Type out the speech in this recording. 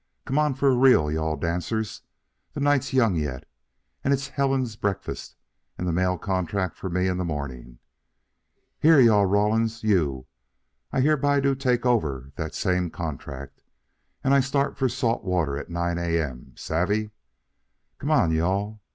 "Come on for a reel, you all dancers. The night's young yet, and it's Helen Breakfast and the mail contract for me in the morning. Here, you all Rawlins, you I hereby do take over that same contract, and I start for salt water at nine A.M. savvee? Come on, you all!